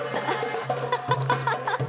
アハハハハハッ！